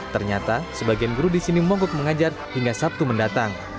ternyata sebagian guru di sini mogok mengajar hingga sabtu mendatang